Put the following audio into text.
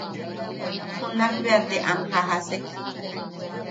Junak bea te am jajasek.